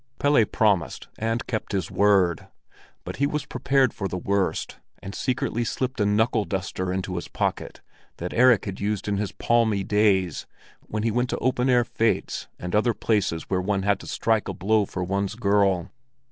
Pelle promised and kept his word; but he was prepared for the worst, and secretly slipped a knuckle duster into his pocket that Erik had used in his palmy days when he went to open air fetes and other places where one had to strike a blow for one's girl.